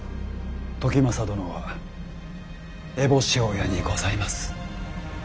時政殿は烏帽子親にございます。